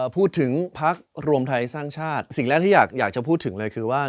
พูดถึงพักรวมไทยสร้างชาติสิ่งแรกที่อยากจะพูดถึงเลยคือว่า